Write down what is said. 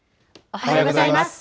おはようございます。